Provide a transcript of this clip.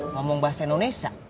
ngomong bahasa indonesia